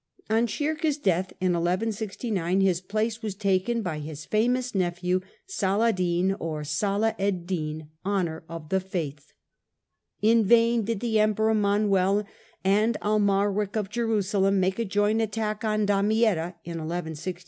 On Shirkuh's death in 1169, his place was taken by his famous nephew Saladin or Salah ed din, " Honour of the Faith." In vain did the Emperor Manuel and Amalric of Jerusalem make a joint attack on Damietta in 1169.